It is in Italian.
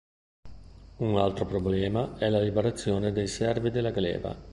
Un altro problema è la liberazione dei servi della gleba.